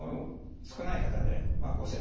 少ない方で５，０００円程度。